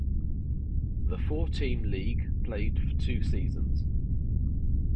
The four–team league played for two seasons.